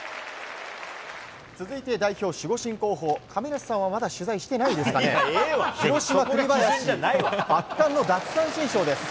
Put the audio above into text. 続いて代表の守護神候補亀梨さんはまだ取材してないですが広島、栗林は圧巻の奪三振ショーです。